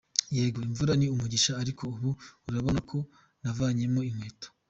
Yego imvura ni umugisha ariko ubu urabona ko navanyemo inkweto.